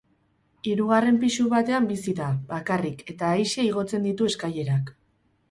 Hirugarren pisu batean bizi da, bakarrik, eta aise igotzen ditu eskailerak.